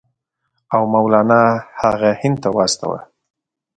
او مولنا هغه هند ته واستاوه.